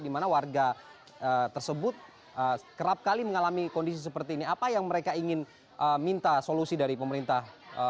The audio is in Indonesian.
di mana warga tersebut kerap kali mengalami kondisi seperti ini apa yang mereka ingin minta solusi dari pemerintah